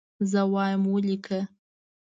زه وایم ولیکه.